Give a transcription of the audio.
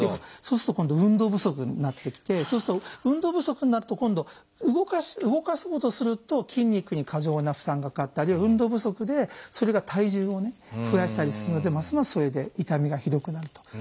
そうすると今度運動不足になってきてそうすると運動不足になると今度動かそうとすると筋肉に過剰な負担がかかったりあるいは運動不足でそれが体重をね増やしたりするのでますますそれで痛みがひどくなると。